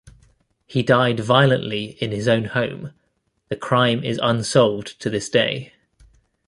He died violently in his own home; the crime is unsolved to this day.